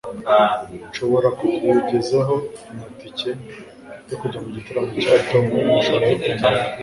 Nshobora kutugezaho amatike yo kujya mu gitaramo cya Tom niba ushaka kugenda